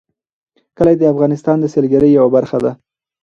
کلي د افغانستان د سیلګرۍ یوه برخه ده.